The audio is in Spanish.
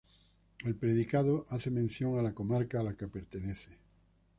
El predicado hace mención a la comarca a la que pertenece.